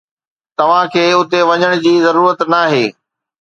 توهان کي اتي وڃڻ جي ضرورت ناهي